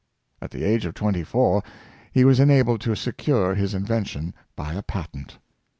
At the age of twenty four he was enabled to secure his in vention by a patent.